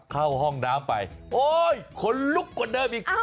เข้าห้องน้ำไปโอ๊ยคนลุกกว่าเดิมอีก